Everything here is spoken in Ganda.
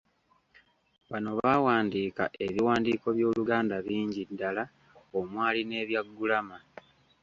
Bano baawandiika ebiwandiiko by’Oluganda bingi ddala omwali n'ebya ggulama.